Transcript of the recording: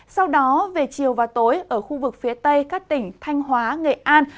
sau đó về chiều và tối ở khu vực phía tây các tỉnh thanh hóa nghệ an